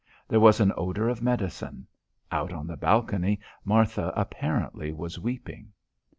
There was an odour of medicine. Out on the balcony, Martha apparently was weeping.